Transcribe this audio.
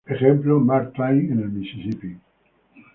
Ejemplo: Mark Twain en el Misisipi.